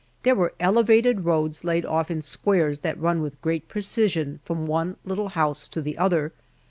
There were elevated roads laid off in squares that run with great precision from one little house to the other.